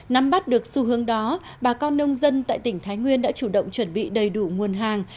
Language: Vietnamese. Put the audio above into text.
nắm bắt được xu hướng đó bà con nông dân tại tỉnh thái nguyên đã chủ động chuẩn bị đầy đủ nguồn hàng